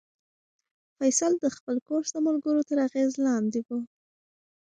فیصل د خپل کورس د ملګرو تر اغېز لاندې و.